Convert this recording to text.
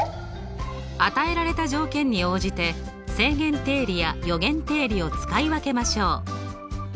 与えられた条件に応じて正弦定理や余弦定理を使い分けましょう。